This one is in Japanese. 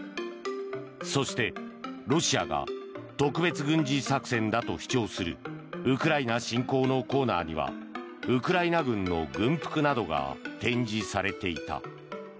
そして、ロシアが特別軍事作戦だと主張するウクライナ侵攻のコーナーにはウクライナ軍の軍服などが展示されていた。